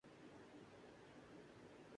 وہ ہاتھی ہے